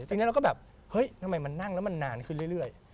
แต่อย่างนี้เราก็แบบเฮ้ยทำไมมันนั่งแล้วมันนานขึ้นเรื่อย